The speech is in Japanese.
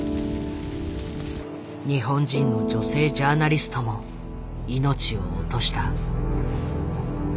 日本人の女性ジャーナリストも命を落とした。